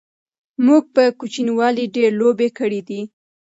موږ په کوچنیوالی ډیری لوبی کړی دی